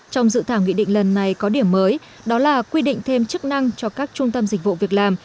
trong dự thảo nghị định lần này có điểm mới đó là quy định thêm chức năng cho các trung tâm dịch vụ việc làm